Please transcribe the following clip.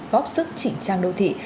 góp sức chỉ trang đô thị